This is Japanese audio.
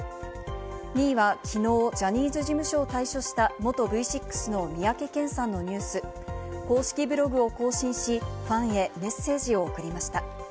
２位は昨日、ジャニーズ事務所を退所した元Ｖ６の三宅健さんのニュース。公式ブログを更新し、ファンへメッセージを送りました。